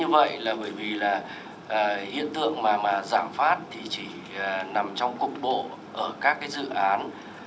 hiện tượng mà giảm phát thì chỉ nằm trong cục bộ ở các dự án